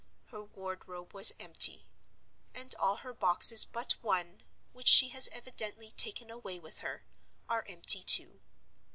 Her wardrobe was empty; and all her boxes but one, which she has evidently taken away with her, are empty, too.